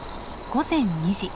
午前２時。